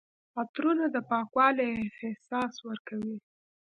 عطرونه د پاکوالي احساس ورکوي.